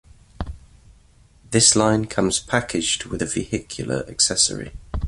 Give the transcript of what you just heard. This line comes packaged with a vehicular accessory.